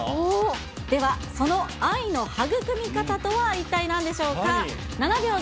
では、その愛の育み方とは、一体なんでしょうか。